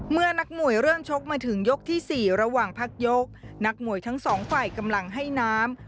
นักมวยเริ่มชกมาถึงยกที่๔ระหว่างพักยกนักมวยทั้งสองฝ่ายกำลังให้น้ำ